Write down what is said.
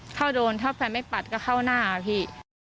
ถ้าโดนถ้าแฟนไม่ปัดก็เข้าหน้าค่ะพี่